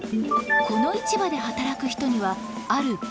この市場で働く人にはある共通点が。